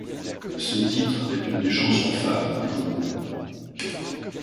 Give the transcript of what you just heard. Ce titre est une des chansons phares du groupe.